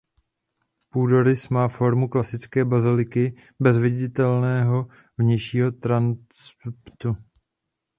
Půdorys má formu klasické baziliky bez viditelného vnějšího transeptu.